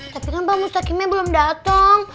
tapi kenapa pak mustaqimnya belum dateng